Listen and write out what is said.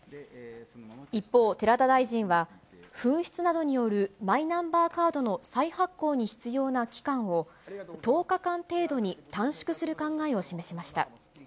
一方、寺田大臣は紛失などによるマイナンバーカードの再発行に必要な期間を、１０日間程度に短縮する考えを示しました。